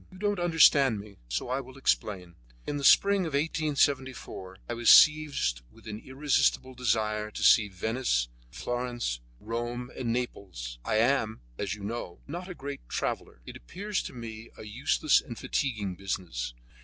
You don't understand me, so I will explain: In the spring of 1874 I was seized with an irresistible desire to see Venice, Florence, Rome and Naples. I am, as you know, not a great traveller; it appears to me a useless and fatiguing business.